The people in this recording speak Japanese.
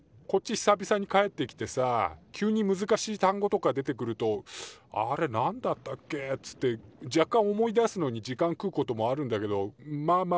久々に帰ってきてさ急に難しい単語とか出てくるとあれなんだったっけっつってじゃっかん思い出すのに時間食うこともあるんだけどまあまあ